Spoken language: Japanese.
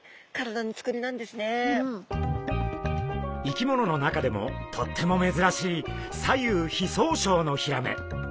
生き物の中でもとってもめずらしい左右非相称のヒラメ。